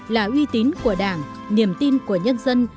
là uy tín của đảng niềm tin của nhân dân